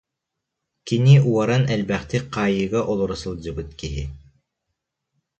Кини уоран элбэхтик хаайыыга олоро сылдьыбыт киһи